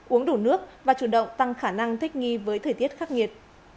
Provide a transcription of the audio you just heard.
uống đủ nước và chủ động tăng khả năng thích nghi với thời tiết khắc nghiệt